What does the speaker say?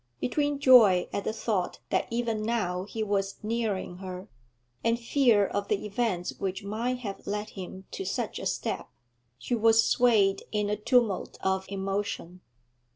Between joy at the thought that even now he was nearing her, and fear of the events which might have led him to such a step, she was swayed in a tumult of emotion.